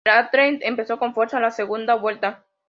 El Athletic empezó con fuerza la segunda vuelta.